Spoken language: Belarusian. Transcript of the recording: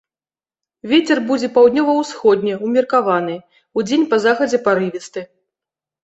Вецер будзе паўднёва-ўсходні ўмеркаваны, удзень па захадзе парывісты.